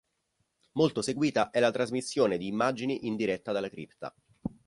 Molto seguita è la trasmissione di immagini in diretta dalla cripta.